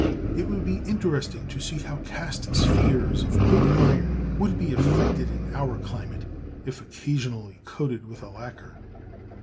It would be interesting to see how cast spheres of good iron would be affected in our climate, if occasionally coated with a lacquer.